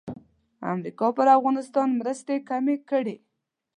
امریکا پر افغانستان مرستې کمې کړې.